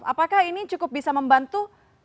apakah ini cukup bisa membantu